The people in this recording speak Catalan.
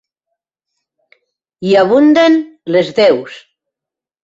Hi abunden les deus.